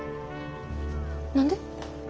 何で。